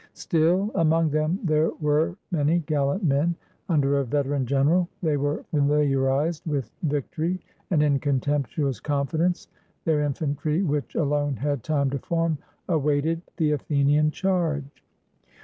Still, among them there were many gallant men, under a veteran general; they were famiharized with victory, and in contemptuous confidence, their infantry, which alone had time to form, awaited the Athenian charge.